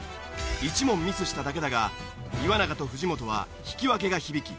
１問ミスしただけだが岩永と藤本は引き分けが響き